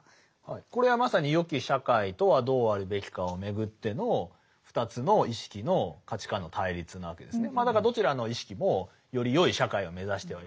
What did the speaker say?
これはまさによき社会とはどうあるべきかをめぐっての２つの意識の価値観の対立なわけですね。